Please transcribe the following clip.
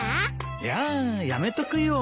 いややめとくよ。